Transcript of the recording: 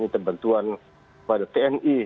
terbantuan pada tni